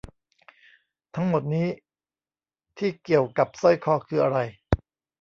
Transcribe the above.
ทั้งหมดนี้ที่เกี่ยวกับสร้อยคอคืออะไร